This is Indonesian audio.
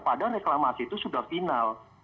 padahal reklamasi itu sudah final